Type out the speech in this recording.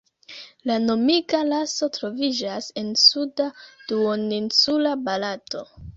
La nomiga raso troviĝas en suda duoninsula Barato.